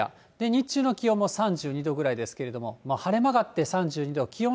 日中の気温も３２度ぐらいですけれども、晴れ間があって３２度、気温、